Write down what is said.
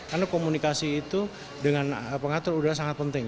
karena komunikasi itu dengan pengatur udara sangat penting